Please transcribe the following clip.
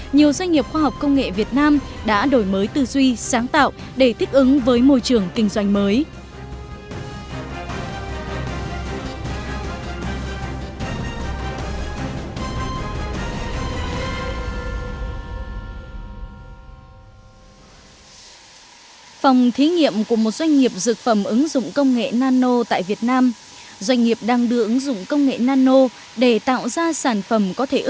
nhiều doanh nghiệp khoa học công nghệ việt nam đã đổi mới tư duy sáng tạo để thích ứng với môi trường kinh doanh mới